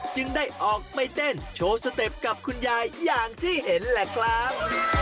จึงได้ออกไปเต้นโชว์สเต็ปกับคุณยายอย่างที่เห็นแหละครับ